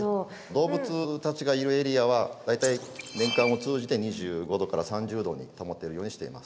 動物たちがいるエリアは大体年間を通じて２５℃から３０℃に保てるようにしています。